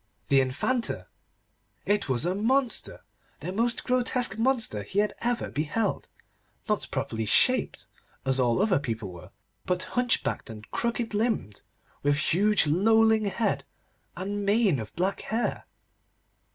The Infanta! It was a monster, the most grotesque monster he had ever beheld. Not properly shaped, as all other people were, but hunchbacked, and crooked limbed, with huge lolling head and mane of black hair.